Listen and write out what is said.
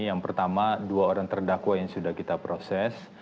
yang pertama dua orang terdakwa yang sudah kita proses